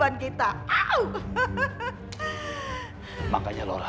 kayak udah bekanntu ya